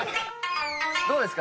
どうですか？